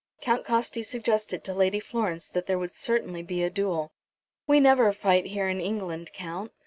Count Costi suggested to Lady Florence that there would certainly be a duel. "We never fight here in England, Count."